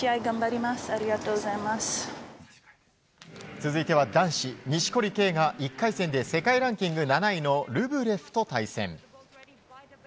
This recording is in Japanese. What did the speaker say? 続いては男子錦織圭が１回戦で世界ランキング７位のルブレフと対戦。